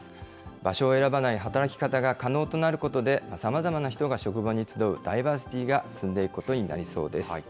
場所を選ばない働き方が可能となることで、さまざまな人が職場に集うダイバーシティが進んでいくことになりそうです。